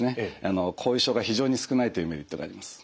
後遺症が非常に少ないというメリットがあります。